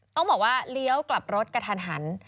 ต้องบอกว่าเลี้ยวกลับรถกระทันหัน